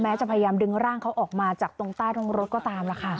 จะพยายามดึงร่างเขาออกมาจากตรงใต้ท้องรถก็ตามล่ะค่ะ